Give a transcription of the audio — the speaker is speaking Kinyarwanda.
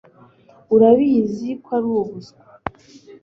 Urabizi ko ari ubuswa